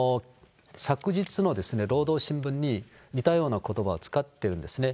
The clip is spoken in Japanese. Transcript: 昨日の労働新聞に似たようなことばを使ってるんですね。